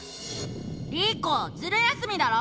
「リコズル休みだろ！